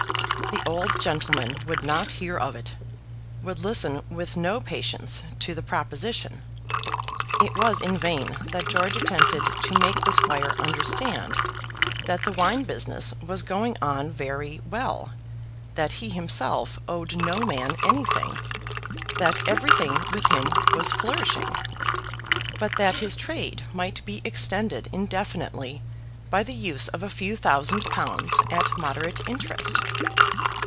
The old gentleman would not hear of it, would listen with no patience to the proposition. It was in vain that George attempted to make the squire understand that the wine business was going on very well, that he himself owed no man anything, that everything with him was flourishing; but that his trade might be extended indefinitely by the use of a few thousand pounds at moderate interest.